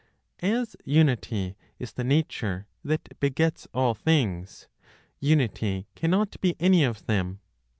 As Unity is the nature that begets all things, Unity cannot be any of them.